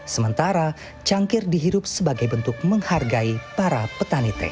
sementara cangkir dihirup sebagai bentuk menghargai para petani teh